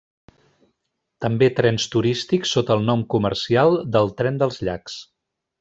També trens turístics sota el nom comercial del Tren dels Llacs.